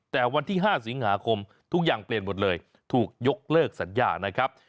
แต่วันที่๕สิงหาคมทุกอย่างเปลี่ยนหมดเลยถูกยกเลิกสัญญานะครับ